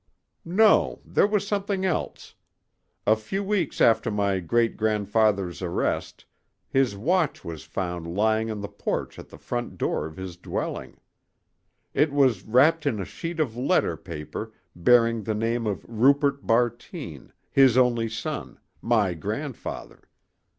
"No—there was something else. A few weeks after my great grandfather's arrest his watch was found lying on the porch at the front door of his dwelling. It was wrapped in a sheet of letter paper bearing the name of Rupert Bartine, his only son, my grandfather.